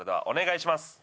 お願いします